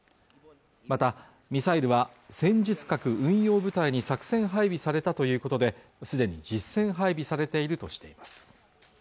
またミサイルは戦術核運用部隊に作戦配備されたということですでに実戦配備されているとしています